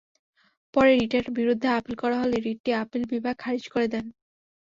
পরে রিটের বিরুদ্ধে আপিল করা হলে রিটটি আপিল বিভাগ খারিজ করে দেন।